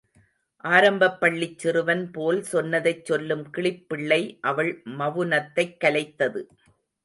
ஆரம்பப் பள்ளிச் சிறுவன் போல் சொன்னதைச் சொல்லும் கிளிப்பிள்ளை அவள் மவுனத்தைக் கலைத்தது.